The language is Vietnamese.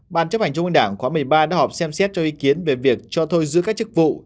ban chấp hành trung ương đảng khóa một mươi ba đã họp xem xét cho ý kiến về việc cho thôi giữ các chức vụ